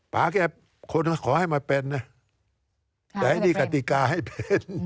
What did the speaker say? ป่าแกคนขอให้มาเป็นนะแต่ให้มีกติกาให้เป็น